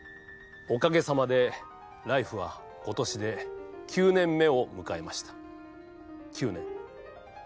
おかげさまで「ＬＩＦＥ！」は今年で９年目を迎えました。